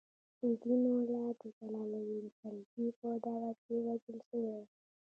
سیدي مولا د جلال الدین خلجي په دور کې وژل شوی و.